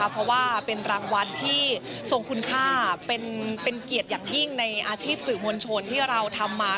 เพราะว่าเป็นรางวัลที่ทรงคุณค่าเป็นเกียรติอย่างยิ่งในอาชีพสื่อมวลชนที่เราทำมา